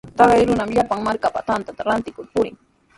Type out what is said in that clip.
Taqay runami llapan markapa tantata rantikur purin.